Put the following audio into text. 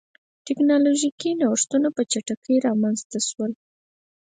ټکنالوژیکي نوښتونه په چټکۍ رامنځته شول.